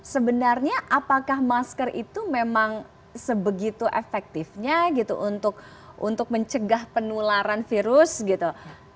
sebenarnya apakah masker itu memang sebegitu efektifnya gitu untuk mencegah penularan virus gitu